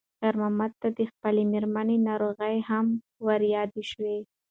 خیر محمد ته د خپلې مېرمنې ناروغي هم ور یاده شوه.